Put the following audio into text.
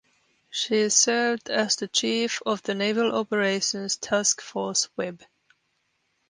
She served as the Chief of Naval Operations Task Force Web.